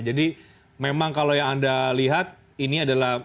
memang kalau yang anda lihat ini adalah